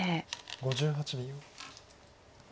５８秒。